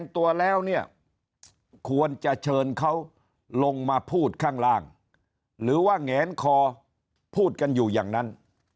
ตัวแล้วเนี่ยควรจะเชิญเขาลงมาพูดข้างล่างหรือว่าแหงคอพูดกันอยู่อย่างนั้น